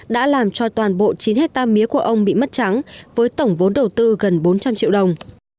đã làm cho toàn bộ chín hectare mía của ông bị mất trắng với tổng vốn đầu tư gần bốn trăm linh triệu đồng